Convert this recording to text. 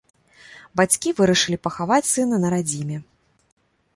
Бацькі вырашылі пахаваць сына на радзіме.